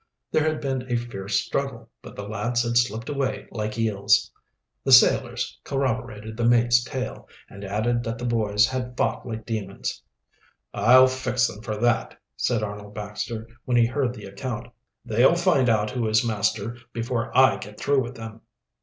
There had been a fierce struggle, but the lads had slipped away like eels. The sailors corroborated the mate's tale, and added that the boys had fought like demons. "I'll fix them for that," said Arnold Baxter, when he heard the account. "They'll find out who is master before I get through with them."